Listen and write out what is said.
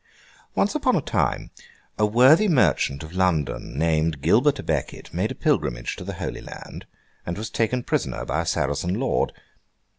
Once upon a time, a worthy merchant of London, named Gilbert à Becket, made a pilgrimage to the Holy Land, and was taken prisoner by a Saracen lord.